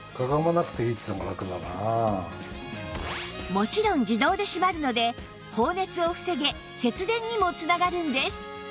もちろん自動で閉まるので放熱を防げ節電にも繋がるんです